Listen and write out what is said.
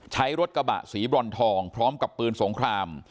ใช้รถกระบะสีบรอนทองพร้อมกับปืนสงคราม